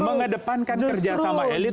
mengedepankan kerjasama elit